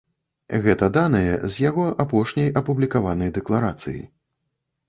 Гэта даныя з яго апошняй апублікаванай дэкларацыі.